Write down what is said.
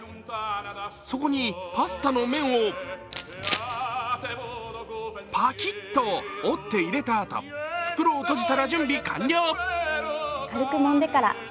そこにパスタの麺をパキッと折って入れたあと、袋を閉じたら準備完了。